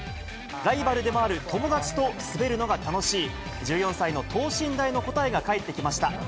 ライバルでもある友達と滑るのが楽しい、１４歳の等身大の答えが返ってきました。